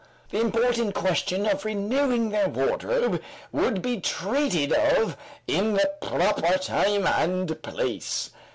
The important question of renewing their wardrobe would be treated of in the proper time and place.